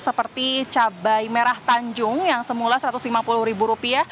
seperti cabai merah tanjung yang semula satu ratus lima puluh